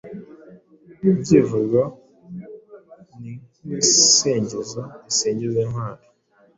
Ibyivugo ni nkibisingizo bisingiza intwari